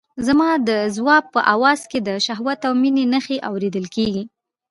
زما د ځواب په آواز کې د شهوت او مينې نښې اورېدل کېدې.